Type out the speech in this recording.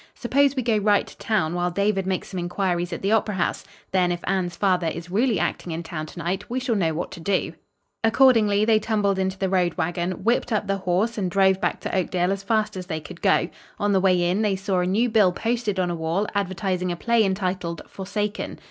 Suppose we go right to town, while David makes some inquiries at the Opera House. Then, if Anne's father is really acting in town to night, we shall know what to do." Accordingly, they tumbled into the road wagon, whipped up the horse and drove back to Oakdale as fast as they could go. On the way in, they saw a new bill posted on a wall, advertising a play entitled "Forsaken."